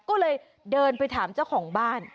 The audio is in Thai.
ก็เลยเดินไปถามเจ้าของบ้าน